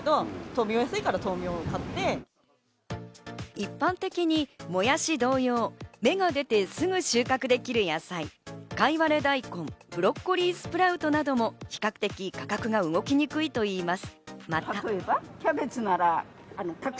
一般的に、もやし同様、芽が出てすぐ収穫できる野菜、かいわれ大根、ブロッコリースプラウトなども比較的価格が動きにくいといいます。